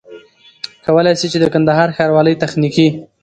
کولای سي چي د کندهار ښاروالۍ تخنيکي